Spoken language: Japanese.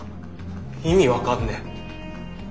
意味分かんねえ。